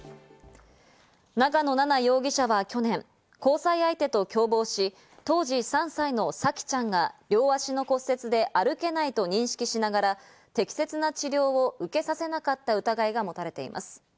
長野奈々容疑者は去年、交際相手と共謀し、当時３歳の沙季ちゃんが両足の骨折で歩けないと認識しながら、適切な治療を受けさせなかった疑いがもたれています。